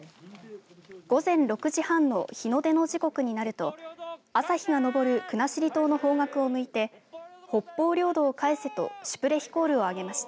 午前６時半の日の出の時刻になると朝日が昇る国後島の方角を向いて北方領土を返せとシュプレヒコールを上げました。